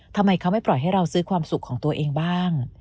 ทำไมเขาไม่ปล่อยให้เราซื้อความสุขของตัวเองบ้าง